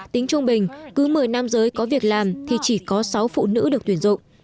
tính trung bình cứ một mươi nam giới có việc làm thì chỉ có sáu phụ nữ được tuyển dụng